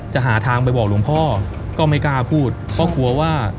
หาทางไปบอกหลวงพ่อก็ไม่กล้าพูดเพราะกลัวว่า